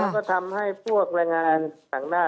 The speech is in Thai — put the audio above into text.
ก็ทำให้พวกแรงงานต่างหน้า